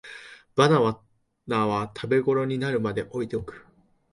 バナナは食べごろになるまで置いておく